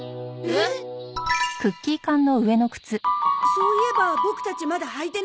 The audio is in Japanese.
そういえばボクたちまだ履いてないよね。